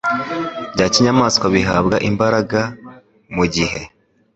bya kinyamaswa bihabwa imbaraga, mu gihe